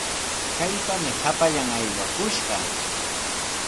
¡Kaypami hapallan aywakushqa!